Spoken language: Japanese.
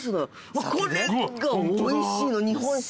これがおいしいの。